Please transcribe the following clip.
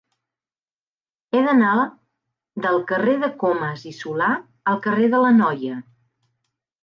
He d'anar del carrer de Comas i Solà al carrer de l'Anoia.